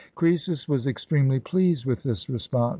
Crcesus was extremely pleased with this response.